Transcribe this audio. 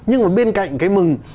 nhưng mà bên cạnh cái mừng